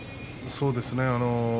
そうですね